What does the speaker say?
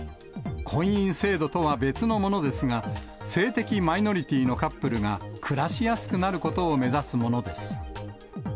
婚姻制度とは別のものですが、性的マイノリティーのカップルが暮らしやすくなることを目指すものです。